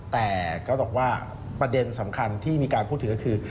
แต่ก็บอกว่าประเด็นสำคัญที่มีการพูดถึงก็คือ